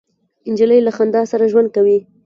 نجلۍ له خندا سره ژوند کوي.